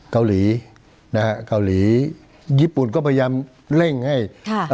เกาหลีนะฮะเกาหลีญี่ปุ่นก็พยายามเร่งให้ค่ะเอ่อ